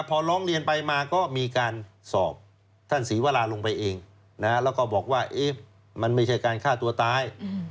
พอร้องเรียนไปมาก็มีการสอบท่านศรีวราลงไปเองแล้วก็บอกว่ามันไม่ใช่การฆ่าตัวตาย